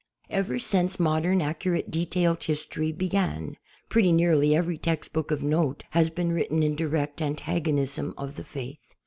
Ever since modern accurate detailed history be gan, |)retty nearly every textbook of note has been written in direct antagonism of the Faith.